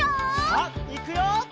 さあいくよ！